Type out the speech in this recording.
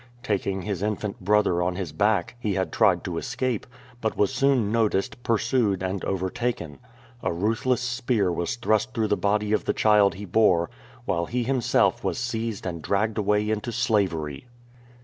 Taking his infant brother on his back, he had tried to escape, but was soon noticed, pur sued, and overtaken. A ruthless spear was thrust through the body of the child he bore, while he himself was seized and dragged away into slavery.